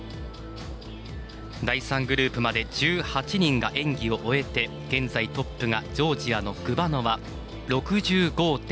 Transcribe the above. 第３グループまで１８人が演技を終えて現在、トップがジョージアのグバノワ。